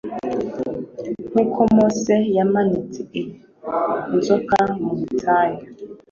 “Nkuko Mose yamanitse inzoka mu butayu